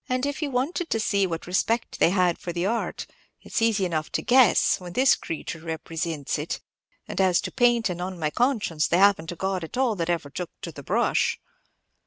If you wanted to see what respect they had for the art, it's easy enough to guess, when this crayture represints it; and as to Paintin', on my conscience, they have n't a god at all that ever took to the brush.